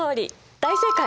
大正解！